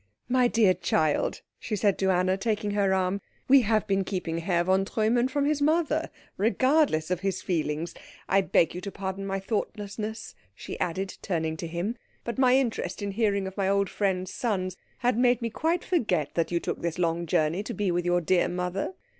"My dear child," she said to Anna, taking her arm, "we have been keeping Herr von Treumann from his mother regardless of his feelings. I beg you to pardon my thoughtlessness," she added, turning to him, "but my interest in hearing of my old friends' sons has made me quite forget that you took this long journey to be with your dear mother.